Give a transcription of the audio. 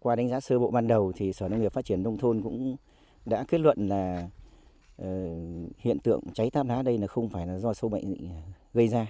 qua đánh giá sơ bộ ban đầu thì sở nông nghiệp phát triển đông thôn cũng đã kết luận là hiện tượng cháy tam á đây là không phải là do sâu bệnh gây ra